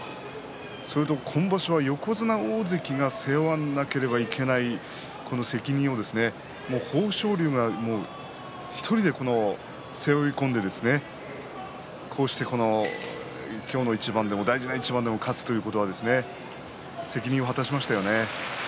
それと今場所は横綱、大関が背負わなければいけない責任を豊昇龍が１人で背負い込んでこうして、今日の一番でも大事な一番でも勝つということは責任を果たしましたよね。